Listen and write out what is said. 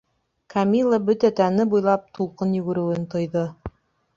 - Камилла бөтә тәне буйлап тулҡын йүгереүен тойҙо.